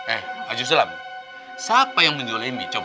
eh haji huseylam siapa yang menjolemi